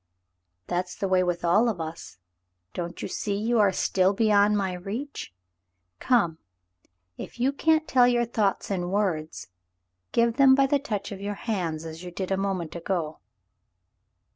(( That's the way with all of us. Don't you see you are 184 The Mountain Girl still beyond my reach ? Come. If you can't tell your thoughts in words, give them by the touch of your hands as you did a moment ago."